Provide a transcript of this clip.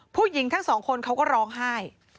ผู้หญิงทั้งสองคนเขาก็ร้องไห้